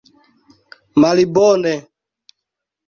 malbone